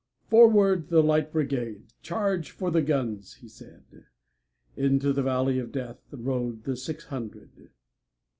"Forward, the Light Brigade! Charge for the guns!" he said:Into the valley of DeathRode the six hundred.